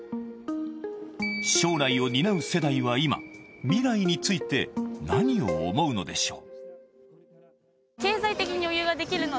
将来を担う世代は今、未来について何を思うのでしょう。